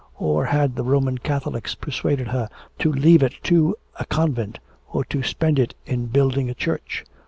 Or had the Roman Catholics persuaded her to leave it to a convent or to spend it in building a church?